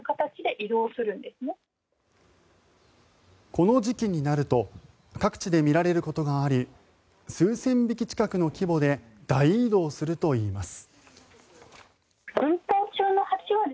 この時期になると各地で見られることがあり数千匹近くの規模で大移動するといいます。